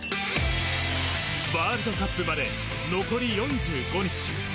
ワールドカップまで残り４５日。